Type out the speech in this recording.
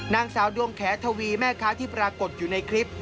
นางสาวดวงแขทวีแม่ค้าที่ปรากฏอยู่ในคลิป